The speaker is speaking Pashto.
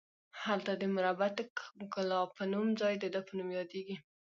هلته د مربعة کلاب په نوم ځای د ده په نوم یادیږي.